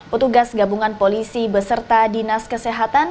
petugas gabungan polisi beserta dinas kesehatan